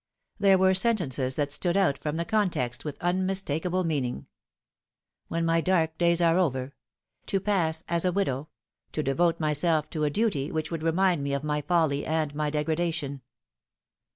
There were sentences that stood out from the context with unmistakable meaning. " When my dark days are over "" to pass as a widow "" to devote myself to a duty which would remind me of my folly and my degradation."